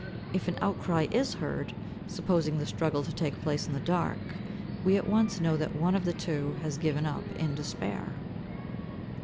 If an outcry is heard, supposing the struggle to take place in the dark, we at once know that one of the two has given up in despair.